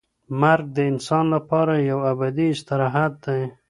مرګ د انسان لپاره یو ابدي استراحت دی.